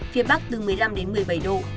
phía bắc từ một mươi năm đến một mươi bảy độ